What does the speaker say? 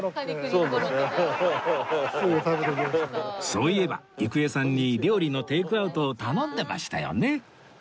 そういえば郁恵さんに料理のテイクアウトを頼んでましたよね